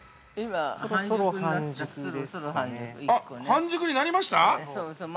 ◆半熟になりました？